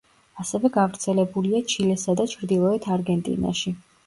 ასევე გავრცელებულია ჩილესა და ჩრდილოეთ არგენტინაში.